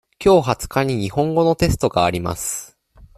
今月二十日に日本語のテストがあります。